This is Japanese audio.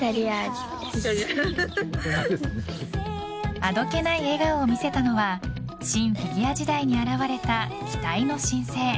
あどけない笑顔を見せたのはシン・フィギュア時代に現れたのは期待の新星。